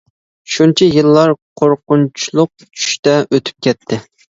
شۇنچە يىللار قورقۇنچلۇق چۈشتە ئۆتۈپ كەتتى.